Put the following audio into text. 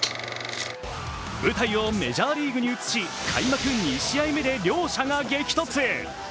舞台をメジャーリーグに移し開幕２試合目で両者が激突。